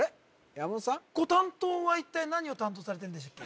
山本さん？ご担当は一体何を担当されてるんでしたっけ？